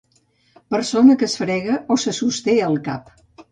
persona que es frega o se sosté el cap